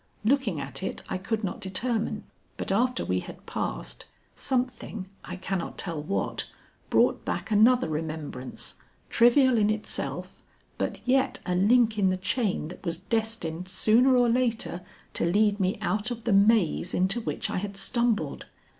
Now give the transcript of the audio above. Looking at it I could not determine, but after we had passed, something, I cannot tell what, brought back another remembrance, trivial in itself, but yet a link in the chain that was destined sooner or later to lead me out of the maze into which I had stumbled.